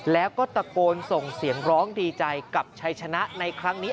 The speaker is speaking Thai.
แล้วก็ตะโกนส่งเสียงร้องดีใจกับชัยชนะในครั้งนี้